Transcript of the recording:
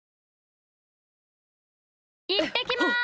いってきます！